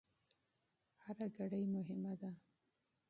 هر کړۍ مهمه ده.